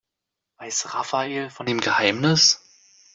Weiß Rafael von dem Geheimnis?